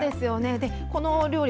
この料理